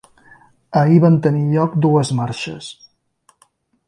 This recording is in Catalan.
Ahir van tenir lloc dues marxes.